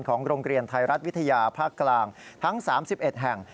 โรงเรียนไทยรัฐวิทยาภาคกลางทั้ง๓๑แห่ง